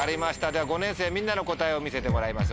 では５年生みんなの答えを見せてもらいましょう。